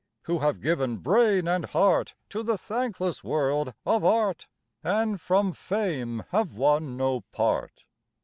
Who have given brain and heart To the thankless world of Art, And from Fame have won no part.